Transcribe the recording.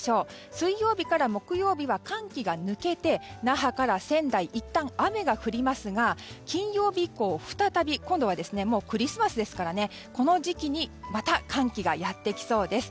水曜日から木曜日は寒気が抜けて那覇から仙台はいったん雨が降りますが金曜日以降、再び今度はクリスマスですからこの時期にまた、寒気がやってきそうです。